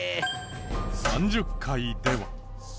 ３０回では。